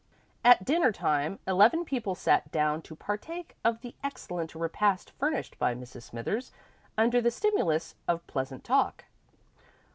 At dinner time, eleven people sat down to partake of the excellent repast furnished by Mrs. Smithers under the stimulus of pleasant talk.